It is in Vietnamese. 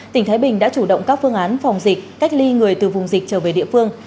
tỉnh thái bình đã chủ động các phương án phòng dịch cách ly người từ vùng dịch trở về địa phương